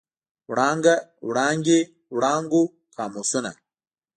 وړانګه، وړانګې، وړانګو، قاموسونه.